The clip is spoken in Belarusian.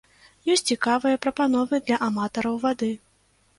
Ёсць цікавыя прапановы для аматараў вады.